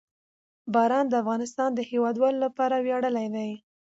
باران د افغانستان د هیوادوالو لپاره ویاړ دی.